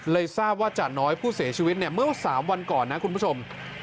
ทราบว่าจ่าน้อยผู้เสียชีวิตเนี่ยเมื่อ๓วันก่อนนะคุณผู้ชม